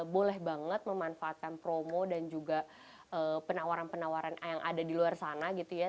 boleh banget memanfaatkan promo dan juga penawaran penawaran yang ada di luar sana gitu ya